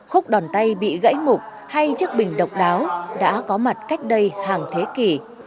khúc đòn tay bị gãy mục hay chiếc bình độc đáo đã có mặt cách đây hàng thế kỷ